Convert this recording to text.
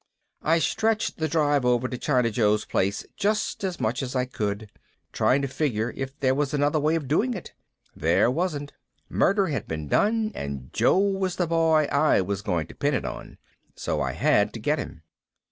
I stretched the drive over to China Joe's place just as much as I could. Trying to figure if there was another way of doing it. There wasn't. Murder had been done and Joe was the boy I was going to pin it on. So I had to get him.